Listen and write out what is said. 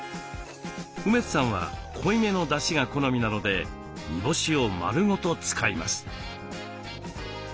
梅津さんは濃いめのだしが好みなので煮干しを丸ごと使います。